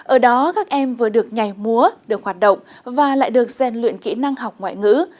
ở đó các em vừa được nhảy múa được hoạt động và lại được gian luyện kỹ năng học ngoại ngữ